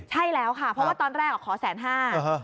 ใช่แล้วค่ะเพราะว่าตอนแรกขอแสนห้า